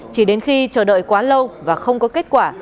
chỉ đến khi chờ đợi quá lâu và không có kết quả